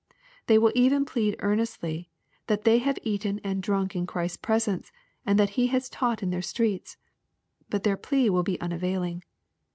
— They will even plead earnestly, that ^' they have eaten and drunk in Christ^s presence, and that he has taught in their streets," — But their plea will be un availing.